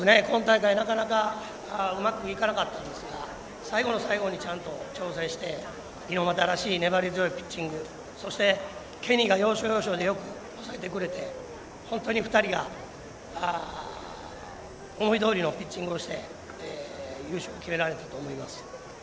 今大会なかなかうまくいかなかったんですが最後の最後に調整して、猪俣らしい粘り強いピッチングそしてケニーが要所要所でよく抑えてくれて本当に２人が思いどおりのピッチングをして優勝を決められたと思います。